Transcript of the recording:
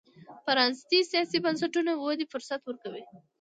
پرانیستي سیاسي بنسټونه ودې فرصت ورکوي.